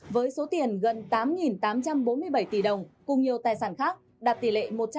với số tiền gần tám tám trăm bốn mươi bảy tỷ đồng cùng nhiều tài sản khác đạt tỷ lệ một trăm ba mươi bốn